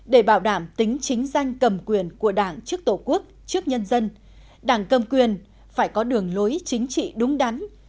để bảo đảm tính chính danh cầm quyền của đảng trước tổ quốc trước nhân dân đảng cầm quyền phải có đường lối chính trị đúng đắn